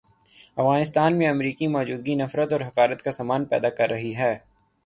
افغانستان میں امریکی موجودگی نفرت اور حقارت کا سامان پیدا کر رہی ہے۔